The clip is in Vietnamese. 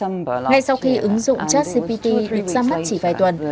ngay sau khi ứng dụng chat gpt được ra mắt chỉ vài tuần